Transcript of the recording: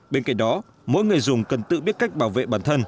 bên cạnh đó mỗi người dùng cần tự biết cách bảo vệ bản thân